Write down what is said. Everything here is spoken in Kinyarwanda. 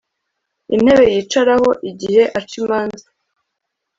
intebe yicaraho igihe aca imanza